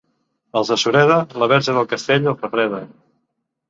Als de Sureda la Verge del Castell els refreda.